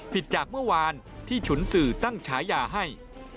จากเมื่อวานที่ฉุนสื่อตั้งฉายาให้